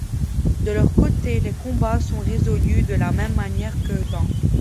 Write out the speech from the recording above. De leur côté, les combats sont résolus de la même manière que dans '.